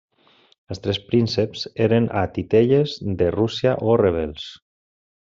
Els tres prínceps eren a titelles de Rússia o rebels.